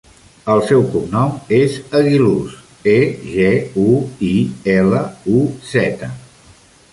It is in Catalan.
El seu cognom és Eguiluz: e, ge, u, i, ela, u, zeta.